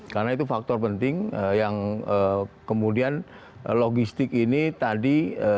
karena itu faktor penting yang kemudian logistik ini tadi